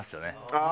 ああ